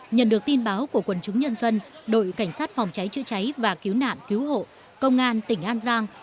nhận được tin báo của quần chúng nhân dân đội cảnh sát phòng cháy chữa cháy và cứu nạn cứu hộ công an tỉnh an giang